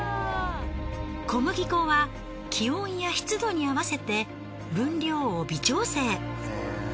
小麦粉は気温や湿度に合わせて分量を微調整。